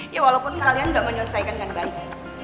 ya walaupun kalian gak menyelesaikan dengan baik